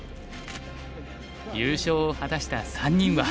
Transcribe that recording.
優勝を果たした３人は。